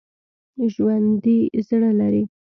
ژوندي زړه لري